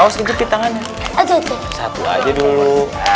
satu aja dulu